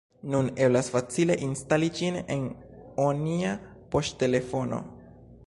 nun eblas facile instali ĝin en onia poŝtelefono.